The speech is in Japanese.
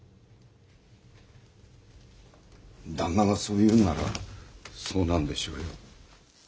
旦那がそう言うんならそうなんでしょうよ。